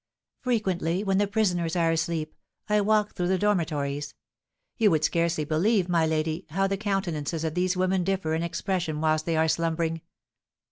"Frequently, when the prisoners are asleep, I walk through the dormitories. You would scarcely believe, my lady, how the countenances of these women differ in expression whilst they are slumbering.